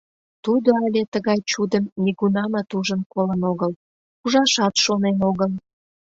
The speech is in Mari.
Тудо але тыгай «чудым» нигунамат ужын-колын огыл, ужашат шонен огыл.